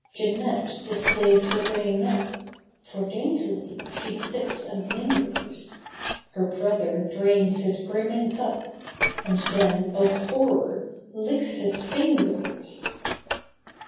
Jeanette displays her bringing up. For daintily she sips and lingers. Her brother drains his brimming cup. And then—oh, horror!—licks his fingers!